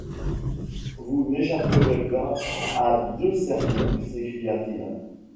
Vous n’échapperez pas à deux sermons, s’écria-t-il.